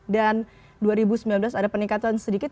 dan dua ribu sembilan belas ada peningkatan sedikit